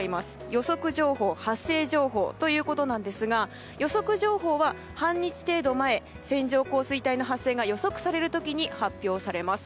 予測情報、発生情報ということなんですが予測情報は、半日程度前線状降水帯の発生が予測される時発表されます。